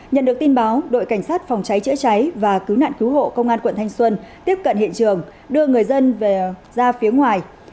nhận được tin báo đội cảnh sát phòng cháy chữa cháy và cứu nạn cứu hộ công an quận thanh xuân tiếp cận hiện trường đưa người dân ra phía ngoài